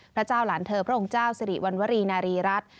พระเจ้าหลานเธอพระองค์เจ้าสิริวัณวรีนารีรัฐ